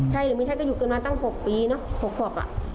ช่ายหรือมีช่ายก็อยู่กันมาตั้ง๖ปีนะ๖หวับ